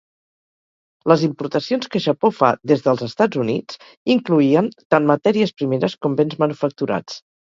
Les importacions que Japó fa des dels Estats Units incloïen tant matèries primeres com bens manufacturats.